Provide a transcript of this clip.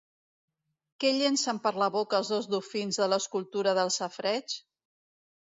Què llencen per la boca els dos dofins de l'escultura del safareig?